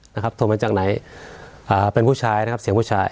นะครับโทรมาจากไหนอ่าเป็นผู้ชายนะครับเสียงผู้ชาย